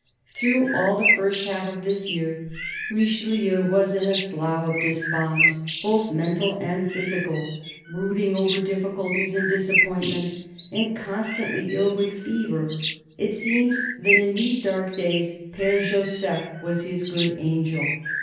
Through all the first half of this year, Richelieu was in a Slough of Despond both mental and physical, brooding over difficulties and disappointments, and constantly ill with fever. It seems that in these dark days Pere Joseph was his good angel.